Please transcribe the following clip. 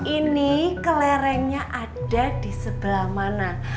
ini kelerengnya ada disebelah mana